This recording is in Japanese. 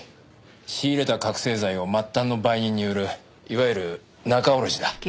仕入れた覚せい剤を末端の売人に売るいわゆる「中卸」だ。